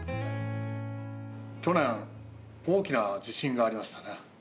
去年大きな地震がありましたね。